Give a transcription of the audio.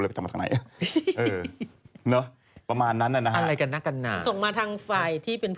อ๋อฮึเดี่ยวมันอ่ามัน